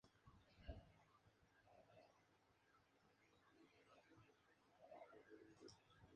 Por primera vez tiene ocasión de practicar una forma de arte.